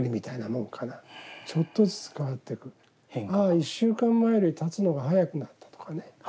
１週間前よりたつのがはやくなったとかね。